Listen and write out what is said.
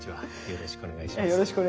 よろしくお願いします。